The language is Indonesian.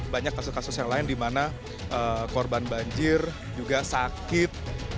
banyak kasus kasus yang lain di mana korban banjir juga sakit